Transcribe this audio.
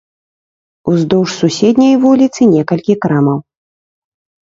Уздоўж суседняй вуліцы некалькі крамаў.